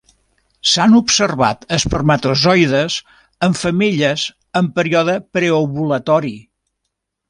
S'han observat espermatozoides en femelles en període preovulatori.